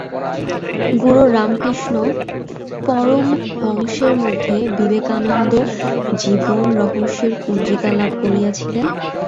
গুরু রামকৃষ্ণ পরমহংসের মধ্যে বিবেকানন্দ জীবন-রহস্যের কুঞ্চিকা লাভ করিয়াছিলেন।